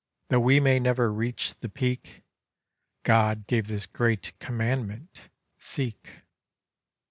Tho' we may never reach the Peak, God gave this great commandment, Seek.